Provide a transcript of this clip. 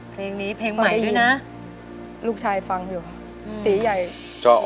เพลงนี้เพลงใหม่ด้วยนะ